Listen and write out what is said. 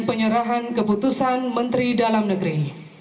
penyerahan keputusan menteri dalam negeri